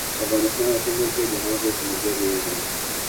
افغانستان ایسا ملک ہے جہاں کوئی سمندر نہیں ہے